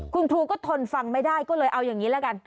คุณครูก็ทนฟังไม่ได้ก็เลยเอาอย่างนี้ละกัน